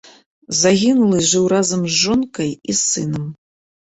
Загінулы жыў разам з жонкай і сынам.